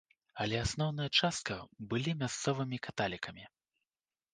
Але асноўная частка былі мясцовымі каталікамі.